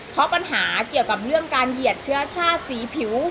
เพราะปัญหาเกี่ยวกับเรื่องการเหยียดเชื้อชาติสีผิว